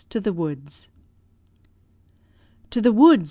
TO THE WOODS! To the woods!